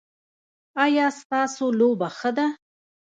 ایا ستاسو لوبه ښه ده؟